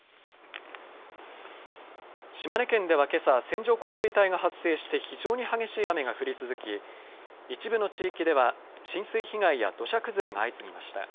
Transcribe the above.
島根県では、けさ線状降水帯が発生して非常に激しい雨が降り続き一部の地域では浸水被害や土砂崩れが相次ぎました。